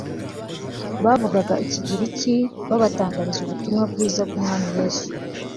bavugaga ikigiriki babatangariza ubutumwa bwiza bw umwami yesu